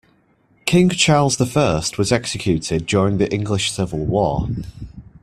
King Charles the First was executed during the English Civil War